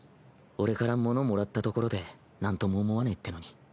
俺から物もらったところでなんとも思わねぇってのに。